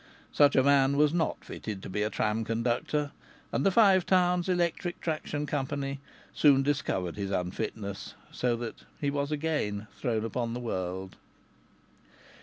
Such a man was not fitted to be a tram conductor, and the Five Towns Electric Traction Company soon discovered his unfitness so that he was again thrown upon the world.